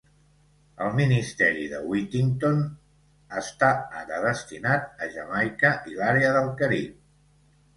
El ministeri de Whittington està ara destinat a Jamaica i l'àrea del Carib.